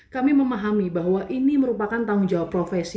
kami memahami bahwa ini merupakan tanggung jawab profesi